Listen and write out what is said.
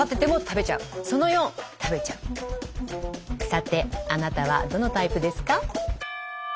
さてあなたはどのタイプですか？